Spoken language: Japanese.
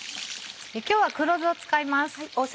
今日は黒酢を使います。